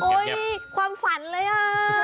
โอ๊ยความฝันเลยอ่ะ